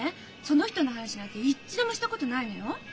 その人の話なんて一度もしたことないのよ。